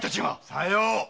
さよう。